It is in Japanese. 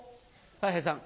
たい平さん。